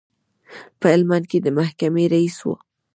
په هلمند کې د محکمې رئیس و.